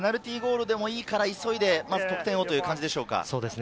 まずはペナルティーゴールでもいいから急いで得点をという感じでしょうか？